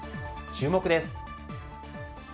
注目です。